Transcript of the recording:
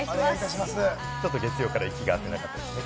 ちょっと月曜から息が合ってなかったですね。